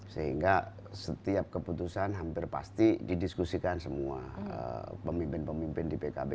sehingga setiap keputusan hampir pasti didiskusikan semua pemimpin pemimpin di pkb